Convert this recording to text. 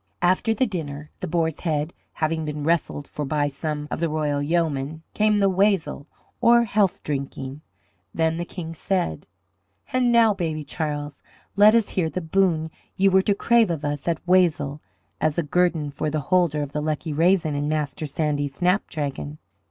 After the dinner the boar's head having been wrestled for by some of the royal yeomen came the wassail or health drinking. Then the King said: "And now, Baby Charles, let us hear the boon ye were to crave of us at wassail as the guerdon for the holder of the lucky raisin in Master Sandy's snapdragon."